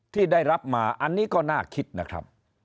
ที่ได้รับมาอันนี้ก็น่าคิดนะครับ